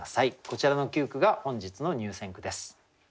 こちらの９句が本日の入選句です。